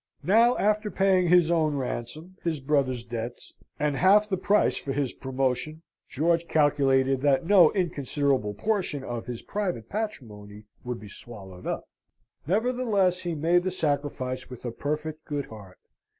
Now, after paying his own ransom, his brother's debts, and half the price for his promotion, George calculated that no inconsiderable portion of his private patrimony would be swallowed up: nevertheless he made the sacrifice with a perfect good heart.